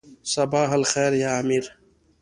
صباح الخیر یا امیر.